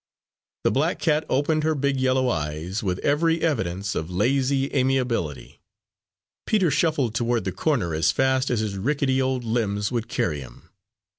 The black cat opened her big yellow eyes with every evidence of lazy amiability. Peter shuffled toward the corner as fast as his rickety old limbs would carry him.